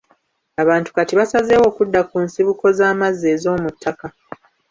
Abantu kati basazeewo okudda ku nsibuko z'amazzi ez'omuttaka.